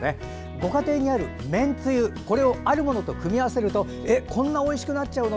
ご家庭にあるめんつゆこれをあるものと組み合わせるとこんなおいしくなっちゃうの？